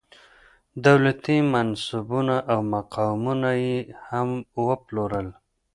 دولتي منصبونه او مقامونه یې هم وپلورل.